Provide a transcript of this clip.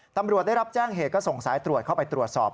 ตำรวจได้รับแจ้งเหตุก็ส่งสายตรวจเข้าไปตรวจสอบ